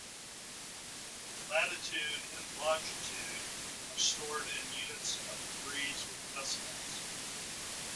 Latitude and longitude are stored in units of degrees with decimals.